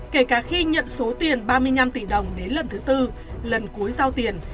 kể cả khi nhận số tiền ba mươi năm tỷ đồng đến lần thứ tư lần cuối giao tiền